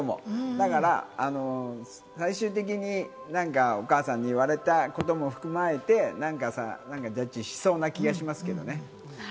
だから最終的にお母さんに言われたことも踏まえて、ジャッジしそうな気がしますけれどもね。